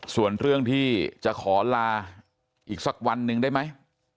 ส่วนเรื่องที่จะขอลาอีกสักวันหนึ่งได้ไหม